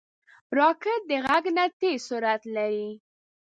راکټ د غږ نه تېز سرعت لري